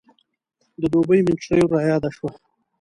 د دوبۍ میټرو رایاده شوه.